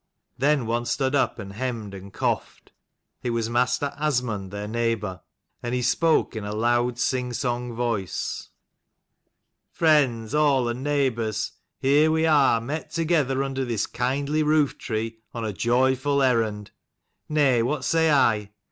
Then one stood up and hemmed and 152 coughed, it was Master Asmund their neigh bour; and he spoke in a loud sing song voice: "Friends all, and neighbours, here we are met together under this kindly roof tree on a joyful errand nay, what say I